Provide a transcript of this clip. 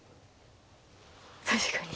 確かに。